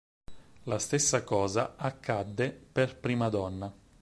La stessa cosa accadde per Primadonna.